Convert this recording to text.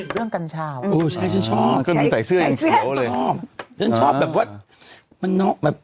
เรื่องกันชาวอืมใช่ฉันชอบฉันชอบฉันชอบแบบว่ามันเนาะแบบ